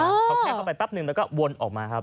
เขาแค่เข้าไปแป๊บนึงแล้วก็วนออกมาครับ